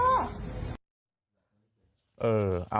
กูก็เป็นคนนี้แหละ